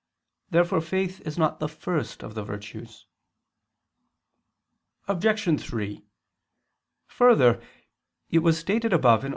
Therefore faith is not the first of the virtues. Obj. 3: Further, it was stated above (A.